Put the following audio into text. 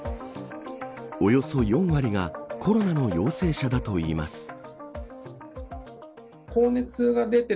およそ４割がコロナの陽性者だといいます。